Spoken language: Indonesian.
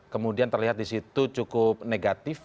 kemudian terlihat disitu cukup negatif